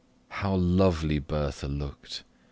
How lovely Bertha looked!